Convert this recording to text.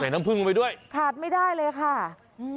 น้ำผึ้งลงไปด้วยขาดไม่ได้เลยค่ะอืม